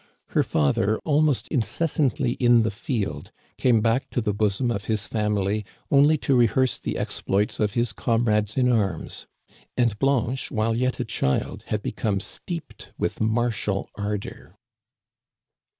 Her father, almost incessantly in the field, came back to the bosom of his family only to rehearse the exploits of his comrades in arms ; and Blanche, while yet a child, had become steeped with martial ardor.